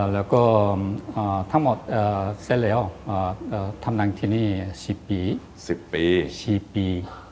แล้วก็ทั้งหมดเสร็จแล้วทำหนังที่นี่๑๐ปี๔ปี